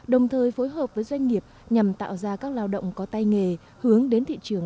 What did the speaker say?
đồng thời phối hợp với doanh nghiệp nhằm tạo ra các lao động có tay nghề